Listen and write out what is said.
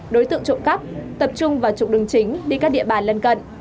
đối tượng trộm cắp tập trung vào trục đường chính đi các địa bàn lân cận